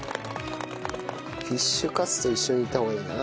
フィッシュカツと一緒にいった方がいいのかな。